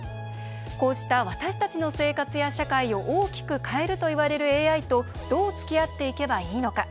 こうした私たちの生活や社会を大きく変えるといわれるＡＩとどう、つきあっていけばいいのか。